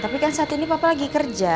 tapi kan saat ini papa lagi kerja